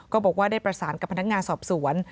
ก็บอกว่าได้ประสานกับพนักงานสอบสวน